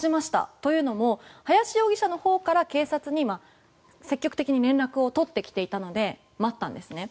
というのも、林容疑者のほうから警察に積極的に連絡を取ってきていたので待ったんですね。